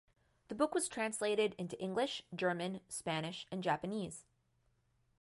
The book was translated into English, German, Spanish and Japanese.